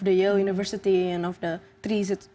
dari universitas yale dan dari buah buahan